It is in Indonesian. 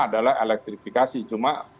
adalah elektrifikasi cuma